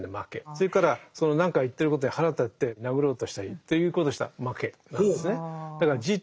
それからその何か言ってることに腹立てて殴ろうとしたりということをしたら負けなんですね。